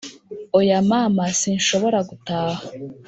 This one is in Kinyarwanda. Oya mama sinshobora gutaha